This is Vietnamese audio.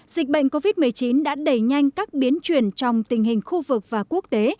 dịch bệnh covid một mươi chín đã đẩy nhanh các biến chuyển trong tình hình khu vực và quốc tế